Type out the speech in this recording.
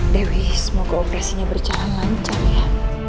dewi semoga operasinya berjalan lancar ya